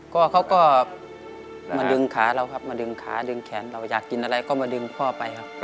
ก็เขาก็มาดึงขาเราครับมาดึงขาดึงแขนเราอยากกินอะไรก็มาดึงพ่อไปครับ